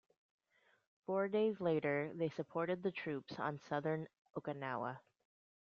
Four days later, they supported the troops on southern Okinawa.